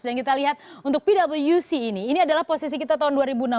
dan kita lihat untuk pwc ini ini adalah posisi kita tahun dua ribu enam belas